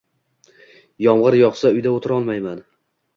Yomg‘ir yog‘sa uyda o‘tirolmayman